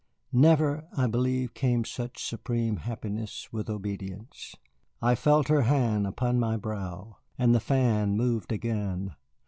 Never, I believe, came such supreme happiness with obedience. I felt her hand upon my brow, and the fan moved again.